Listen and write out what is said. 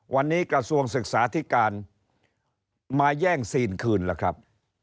วันนี้กระทรวงศึกษาธิการมาแย่งซีนคืนแล้วครับ